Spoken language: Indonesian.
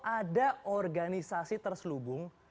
ada organisasi terselubung